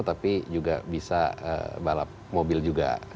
tapi juga bisa balap mobil juga